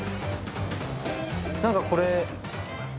何かこれ。